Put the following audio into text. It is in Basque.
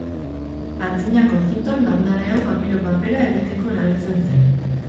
Antzinako Egipton landare hau papiro papera egiteko erabiltzen zen.